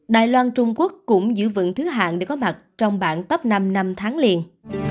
đài loan trung quốc cũng giữ vững thứ hạng để có mặt trong bảng top năm năm tháng liền